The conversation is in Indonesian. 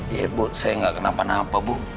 ya bu saya gak kena panah apa bu